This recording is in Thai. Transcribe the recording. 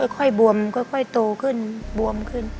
ค่อยบวมค่อยโตขึ้นบวมขึ้น